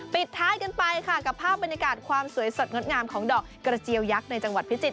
ปิดท้ายกันไปค่ะกับภาพบรรยากาศความสวยสดงดงามของดอกกระเจียวยักษ์ในจังหวัดพิจิตร